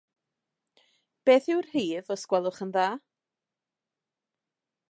Beth yw'r rhif, os gwelwch yn dda?